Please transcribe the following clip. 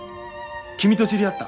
君と知り合った。